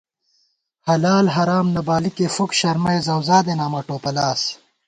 حلال حرام نہ بالِکے فُک شَرمَئ زوزادېناں مہ ٹوپَلاس